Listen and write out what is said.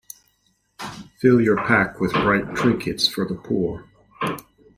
Fill your pack with bright trinkets for the poor.